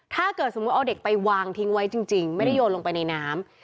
ถ้าเกิดสมมุติเอาเด็กไปวางทิ้งไว้จริงไม่ได้โยนลงไปในน้ำ